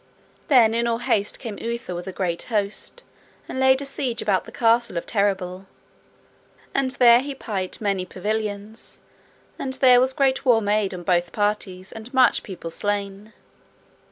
Then in all haste came Uther with a great host, and laid a siege about the castle of Terrabil. And there he pight many pavilions, and there was great war made on both parties, and much people slain.